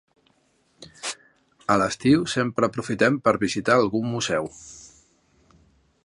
A l'estiu sempre aprofitem per visitar algun museu.